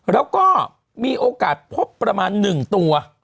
แล้วก็มีโอกาสพบประมาณ๑ตัว